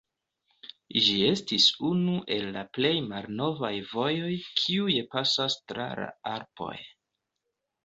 Ĝi estis unu el la plej malnovaj vojoj, kiuj pasas tra la Alpoj.